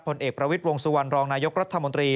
เอกประวิทย์วงสุวรรณรองนายกรัฐมนตรี